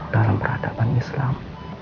dalam peradaban islam